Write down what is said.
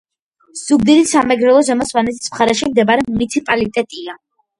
ზუგდიდი სამეგრელო ზემო სვანეთის მხარეში მდებარე მუნიციპალიტეტია.